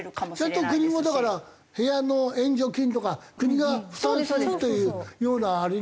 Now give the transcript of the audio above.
ちゃんと国もだから部屋の援助金とか国が負担するっていうようなあれにしないと。